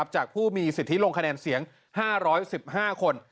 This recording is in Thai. จากผู้มีสิทธิลงคะแนนเสียง๕๑๕คน